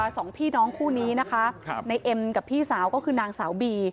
สองพี่น้องคู่นี้นะคะครับในเอ็มกับพี่สาวก็คือนางสาวบี